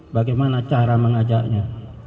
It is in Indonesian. bagaimana cara mengajaknya